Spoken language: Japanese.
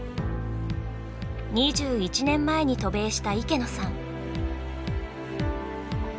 ２１年前に渡米した池野さん。